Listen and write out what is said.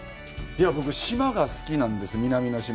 僕、島が好きなんです、南の島。